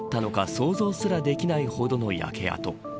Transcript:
想像すらできないほどの焼け跡。